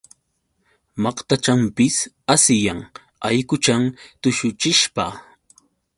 Maqtachanpis asiyan allquchan tushuchishpa.